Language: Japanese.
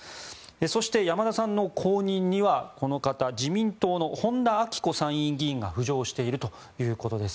そして山田さんの後任にはこの方自民党の本田顕子参院議員が浮上しているということです。